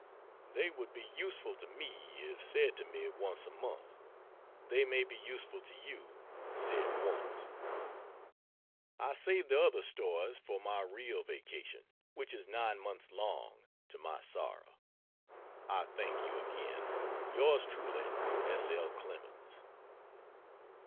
They would be useful to me if said to me once a month, they may be useful to you, said once. I save the other stories for my real vacation which is nine months long, to my sorrow. I thank you again. Truly Yours S. L. CLEMENS.